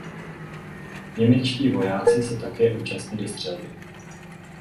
Němečtí vojáci se také účastnili střelby.